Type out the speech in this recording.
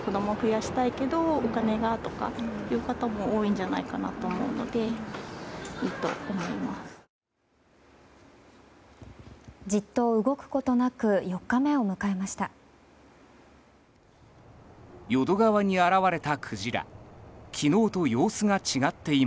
じっと動くことなく４日目を迎えました。